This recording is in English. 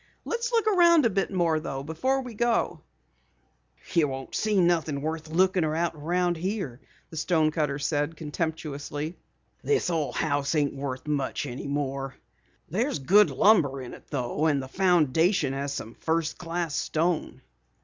"Let's look around a bit more though, before we go." "You won't see nothin' worth lookin' at around here," the stonecutter said contemptuously. "This old house ain't much any more. There's good lumber in it though, and the foundation has some first class stone."